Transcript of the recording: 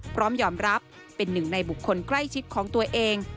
พร้อมยอมรับเป็นหนึ่งในบุคคลใกล้ชิดของตัวเอง